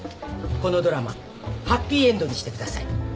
このドラマハッピーエンドにしてください。